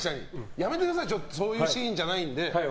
やめてくださいそういうシーンじゃないのでって。